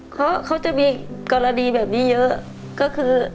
เพราะก็จะมีกรณีแบบนี้เยอะ